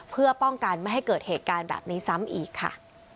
เพื่อป้องกันไม่ให้เกิดเหตุการณ์แบบนี้ซ้ำอีกค่ะ